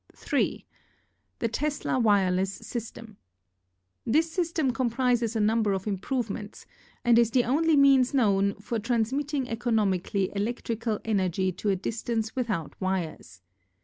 "3. The 'Testa Wireless System.' This system comprises a number of improvements and is the only means known for transmitting economically electrical energy to a distance without wires.